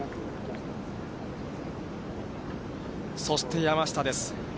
そして山下です。